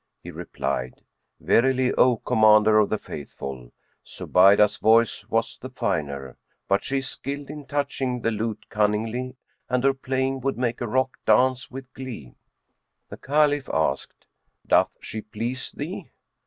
He replied, "Verily, O Commander of the Faithful, Zubaydah's voice was the finer; but she is skilled in touching the lute cunningly and her playing would make a rock dance with glee." The Caliph asked, "Doth she please thee?''